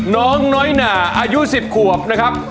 น้องน้อยหนาอายุ๑๐ขวบนะครับ